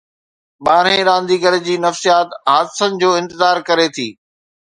ٻارهين رانديگر جي نفسيات حادثن جو انتظار ڪري ٿي.